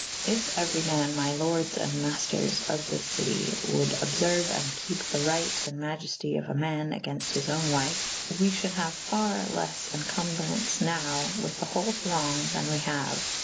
If euer}' man my lordes and maifters of this citie wolde obferue and kepe the ryght and maielty of a man agaynfte his owne wvfe / we fhulde haue ferre leffe encombrance nowe with the hole thronge than we haue.